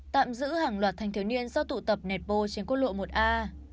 tạm giữ hàng loạt thanh thiếu niên do tụ tập netpo trên quốc lộ một a